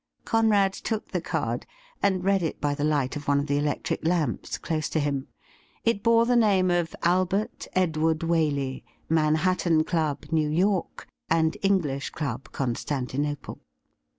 Conrad took the card and read it by the light of one of the electric lamps close to him. It bore .the name of ' Albert Edward Waley, Manhattan Club, New York, and English Club, Constantinople.'